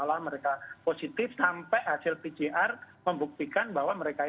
seolah olah mereka positif sampai hasil pcr membuktikan bahwa mereka itu positif